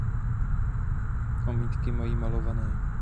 Omítky mají malované.